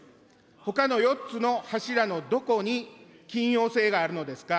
ほかの４つの柱のどこに緊要性があるのですか。